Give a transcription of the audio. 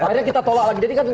akhirnya kita tolak lagi jadi kan